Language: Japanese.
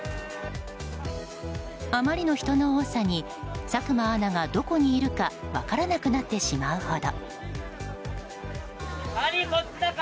あまりの人の多さに佐久間アナがどこにいるか分からなくなってしまうほど。